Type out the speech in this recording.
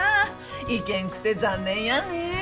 行けんくて残念やね。